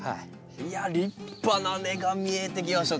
いやあ立派な根が見えてきました。